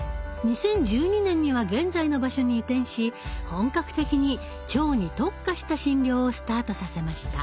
２０１２年には現在の場所に移転し本格的に腸に特化した診療をスタートさせました。